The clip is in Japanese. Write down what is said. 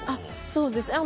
そうです。